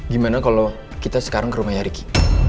gimana kalau kita sekarang ke rumahnya ricky